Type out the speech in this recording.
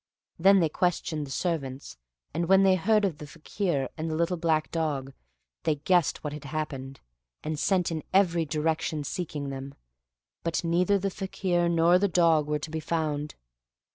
Then they questioned the servants, and when they heard of the Fakir and the little black dog, they guessed what had happened, and sent in every direction seeking them, but neither the Fakir nor the dog were to be found.